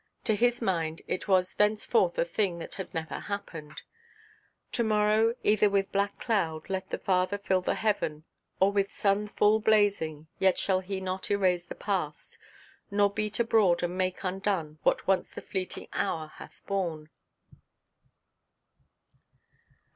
To his mind it was thenceforth a thing that had never happened: "To–morrow either with black cloud Let the Father fill the heaven, Or with sun full–blazing: Yet shall He not erase the past, Nor beat abroad, and make undone, What once the fleeting hour hath borne."